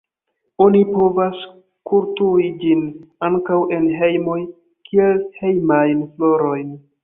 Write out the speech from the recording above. Oni povas kulturi ĝin ankaŭ en hejmoj kiel hejmajn florojn.